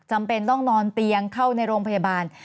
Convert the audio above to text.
จำเป็นต้องนอนเตียงเข้าในโรงพยาบาล